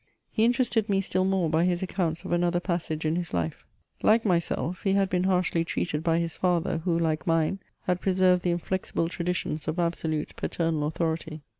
He interested me still more by his accounts of another passage in his life : like myself, he had been harshly treated by his father, who, like mine, had preserved the inflexible traditions of absolute paternal authority.